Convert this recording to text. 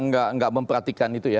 iya saya nggak memperhatikan itu ya